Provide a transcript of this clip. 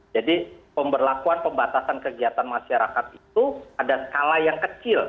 jadi pemberlakuan pembatasan kegiatan masyarakat itu ada skala yang kecil